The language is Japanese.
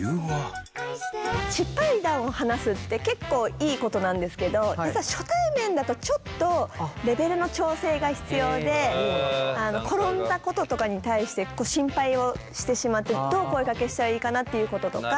失敗談を話すって結構いいことなんですけど実は初対面だとちょっとレベルの調整が必要で転んだこととかに対して心配をしてしまってどう声かけしたらいいかなっていうこととか。